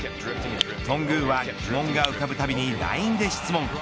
頓宮は疑問が浮かぶたびにＬＩＮＥで質問。